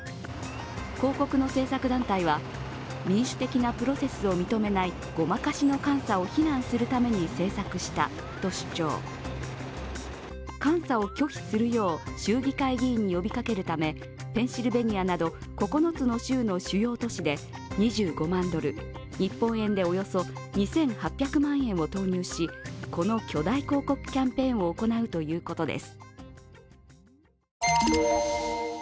広告の制作団体は、民主的なプロセスを認めないごまかしの監査を非難するために制作したと主張監査を拒否するよう州議会議員に呼びかけるためペンシルベニアなど９つの州の主要都市で２５万ドル日本円でおよそ２８００万円を投入しこの巨大広告キャンペーンを行うということです。